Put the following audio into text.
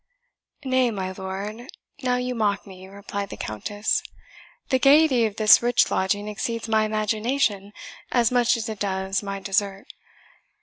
"Nay, my lord, now you mock me," replied the Countess; "the gaiety of this rich lodging exceeds my imagination as much as it does my desert.